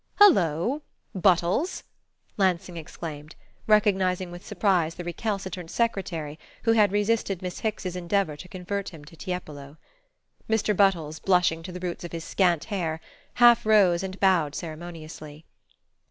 "Hullo Buttles!" Lansing exclaimed, recognising with surprise the recalcitrant secretary who had resisted Miss Hicks's endeavour to convert him to Tiepolo. Mr. Buttles, blushing to the roots of his scant hair, half rose and bowed ceremoniously.